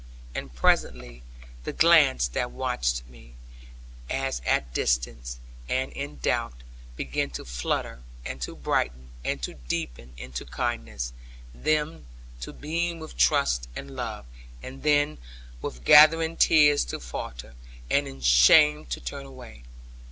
And presently the glance that watched me, as at distance and in doubt, began to flutter and to brighten, and to deepen into kindness, then to beam with trust and love, and then with gathering tears to falter, and in shame to turn away.